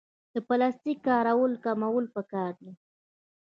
د پلاستیک کارول کمول پکار دي